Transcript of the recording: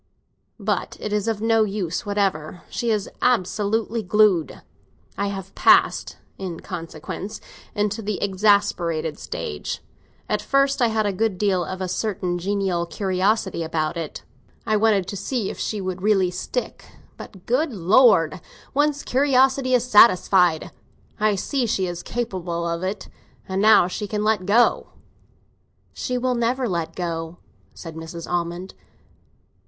But it is of no use whatever; she is absolutely glued. I have passed, in consequence, into the exasperated stage. At first I had a good deal of a certain genial curiosity about it; I wanted to see if she really would stick. But, good Lord, one's curiosity is satisfied! I see she is capable of it, and now she can let go." "She will never let go," said Mrs. Almond.